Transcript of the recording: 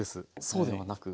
そうではなく？